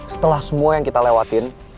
setelah semua yang kita lewatin